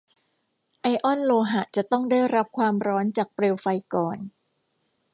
ไอออนโลหะจะต้องได้รับความร้อนจากเปลวไฟก่อน